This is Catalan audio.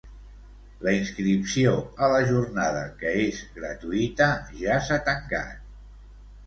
La inscripció a la Jornada, que és gratuïta, ja s'ha tancat.